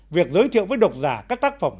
việc giới thiệu với độc giả các tác phẩm